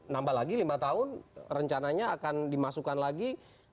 nambah lagi lima tahun rencananya akan dimasukkan lagi